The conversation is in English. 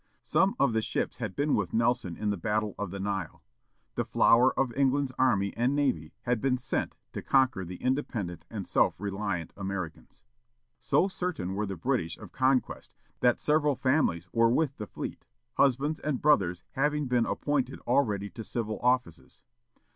Some of the ships had been with Nelson in the battle of the Nile. The flower of England's army and navy had been sent to conquer the independent and self reliant Americans. So certain were the British of conquest that several families were with the fleet, husbands and brothers having been appointed already to civil offices.